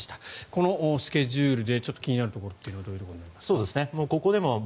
このスケジュールで気になるところはどういうところでしょう。